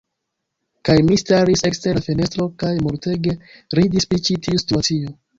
Kaj mi, staris ekster la fenestro, kaj multege ridis pri ĉi tiu situacio.